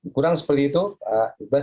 kurang seperti itu pak ibas